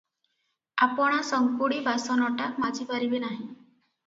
ଆପଣା ସଙ୍କୁଡ଼ି ବାସନଟା ମାଜି ପାରିବେ ନାହିଁ?